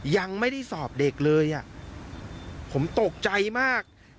ยังไม่ได้สอบเด็กเลยอ่ะผมตกใจมาก